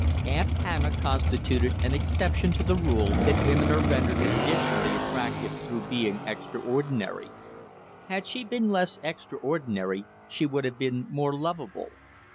Aunt Hannah constituted an exception to the rule that women are rendered additionally attractive through being extraordinary. Had she been less extraordinary she would have been more lovable.